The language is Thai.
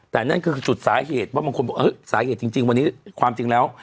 แต่นั่นคือจุดสาเหตุว่าบางคนบอกสาเหตุจริงวันนี้ความจริงแล้ว